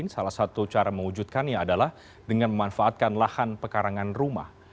salah satu cara mewujudkannya adalah dengan memanfaatkan lahan pekarangan rumah